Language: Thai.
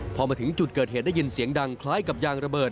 พอมาถึงจุดเกิดเหตุได้ยินเสียงดังคล้ายกับยางระเบิด